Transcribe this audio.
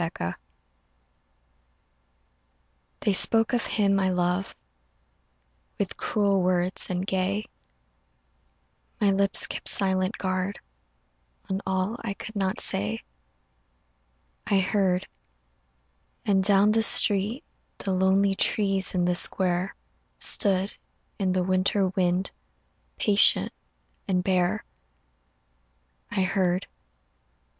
FEBRUARY THEY spoke of him I love With cruel words and gay; My lips kept silent guard On all I could not say. I heard, and down the street The lonely trees in the square Stood in the winter wind Patient and bare. I heard